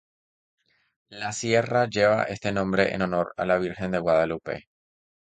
La sierra lleva este nombre en honor a la virgen de Guadalupe.